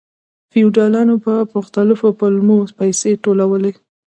فیوډالانو په مختلفو پلمو پیسې ټولولې.